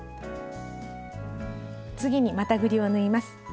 次にまたぐりを縫います。